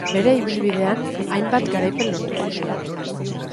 Bere ibilbidean hainbat garaipen lortu zituen.